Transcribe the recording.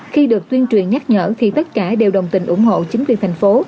khi được tuyên truyền nhắc nhở thì tất cả đều đồng tình ủng hộ chính quyền thành phố